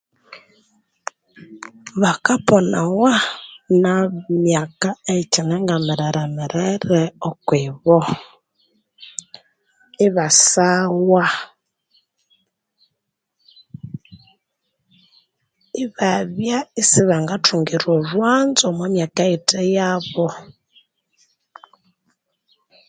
Baka ponawa na emyaka eyikine mirere-mirere okwibo, iba sawa, ibabya isibanga thungirwa olhwanzo omu myaka eyithe yabu